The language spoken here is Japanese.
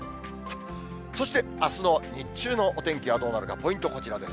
そして、あすの日中のお天気はどうなるか、ポイント、こちらです。